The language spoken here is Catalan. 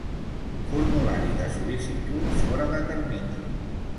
Formulari de sol·licitud fora de termini.